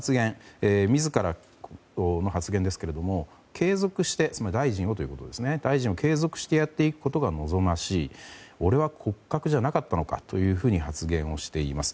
自らの発言ですけど大臣を継続してやっていくことが望ましい、俺は骨格じゃなかったのかと発言をしています。